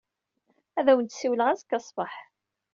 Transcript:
Ad awen-d-ssiwleɣ azekka ṣṣbeḥ.